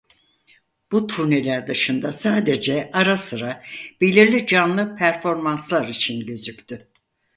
Bu turneler dışında sadece ara sıra belirli canlı performanslar için gözüktü.